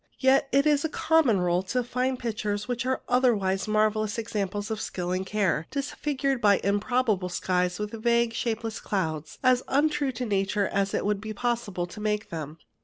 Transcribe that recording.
Yet it is the common rule to find pictures, which are otherwise marvellous examples of skill and care, disfigured by impossible skies with vague, shapeless clouds, as untrue to nature as it would be possible to make them.